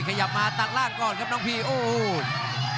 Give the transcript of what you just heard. ขยับมาตัดล่างก่อนครับน้องพีโอ้โห